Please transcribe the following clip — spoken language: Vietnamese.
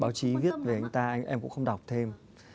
báo chí viết về anh ta anh em cũng không đọc thêm